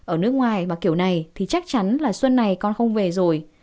ở nước ngoài và kiểu này thì chắc chắn là xuân này con không về rồi